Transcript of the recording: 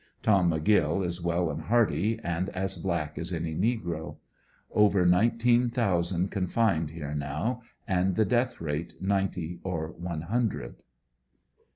Tom McGill is well and hearty, and as black as any negro. Over 19,000 confined here now, and the death rate ninety or one hundred.